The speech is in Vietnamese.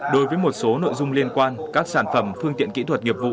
đối với một số nội dung liên quan các sản phẩm phương tiện kỹ thuật nghiệp vụ